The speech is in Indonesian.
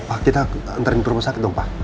pak kita ntarin ke rumah sakit dong pak